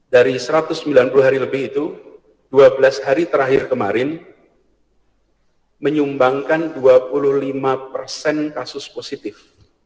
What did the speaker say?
dari satu ratus sembilan puluh hari lebih itu dua belas hari terakhir kemarin menyumbangkan dua puluh lima persen kasus positif